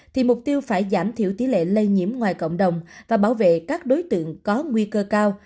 thì mục tiêu phải giảm thiểu tỷ lệ lây nhiễm ngoài cộng đồng và bảo vệ các đối tượng có nguy cơ cao